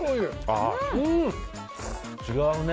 あ、違うね。